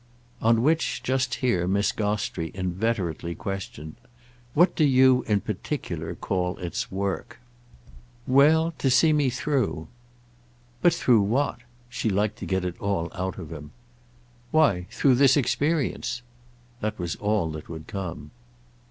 On which, just here, Miss Gostrey inveterately questioned. "What do you, in particular, call its work?" "Well, to see me through." "But through what?"—she liked to get it all out of him. "Why through this experience." That was all that would come.